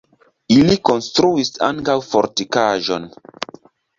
Ili konstruis ankaŭ fortikaĵon.